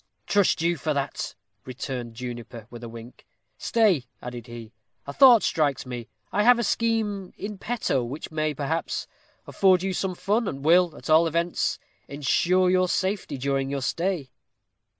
"Trust you for that," returned Juniper, with a wink. "Stay," added he; "a thought strikes me. I have a scheme in petto which may, perhaps, afford you some fun, and will, at all events, insure your safety during your stay."